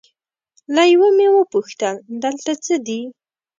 له یوه مې وپوښتل دلته څه دي؟